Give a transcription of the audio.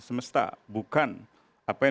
semesta bukan apa yang